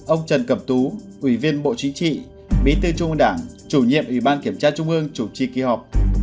ông trần cẩm tú ủy viên bộ chính trị bí thư trung ương đảng chủ nhiệm ủy ban kiểm tra trung ương chủ trì kỳ họp